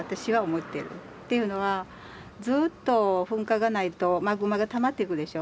っていうのはずっと噴火がないとマグマがたまっていくでしょ。